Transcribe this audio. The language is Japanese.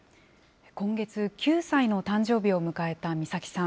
今月、９歳の誕生日を迎えた美咲さん。